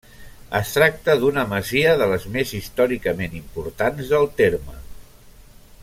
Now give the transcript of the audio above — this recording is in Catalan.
Es tracta d'una masia de les més històricament importants del terme.